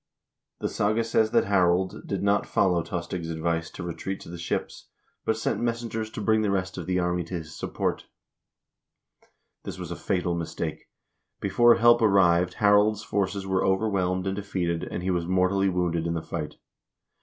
The saga says that Harald did not follow Tostig's advice to retreat to the ships, but sent messengers to bring the rest of the army to his support. This was a fatal mistake. Before help arrived, Harald's forces were overwhelmed and defeated, and he was mortally wounded in the fight.